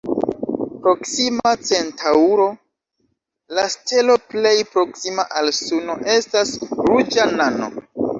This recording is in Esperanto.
Proksima Centaŭro, la stelo plej proksima al Suno, estas ruĝa nano.